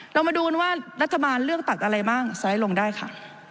เรามาดูกันว่ารัฐบาลเลือกตัดอะไรบ้างไซส์ลงได้ค่ะ